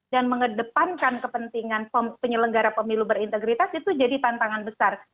dan mengedepankan kepentingan penyelenggara pemilu berintegritas itu jadi tantangan besar